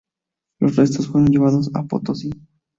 Los restos fueron llevados a Potosí.